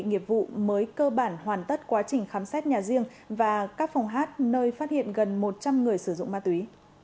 nghiệp vụ mới cơ bản hoàn tất quá trình khám xét nhà riêng và các phòng hát nơi phát hiện gần một trăm linh người sử dụng ma túy